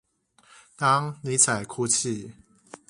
當尼采哭泣